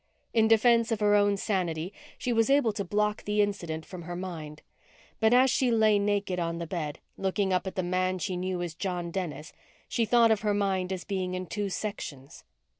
In defense of her own sanity, she was able to block the incident from her mind. But as she lay naked on the bed, looking up at the man she knew as John Dennis, she thought of her mind as being in two sections.